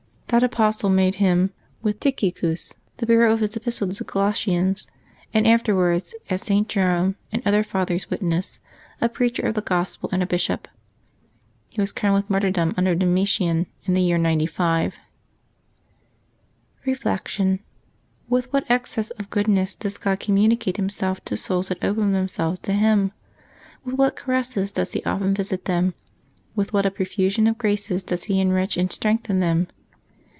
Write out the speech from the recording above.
That apostle made him, with Tychicus, the bearer of his Epistle to the Colossians, and afterwards, as St. Jerome and other Fathers witness, a preacher of the Gospel and a bishop. He was crowned with martyrdom under Domitian in the year 95. Reflection. — ^With what excess of goodness does God communicate Himself to souls that open themselves to Him! With what caresses does He often visit them! With what a profusion of graces does He enrich and strengthen them!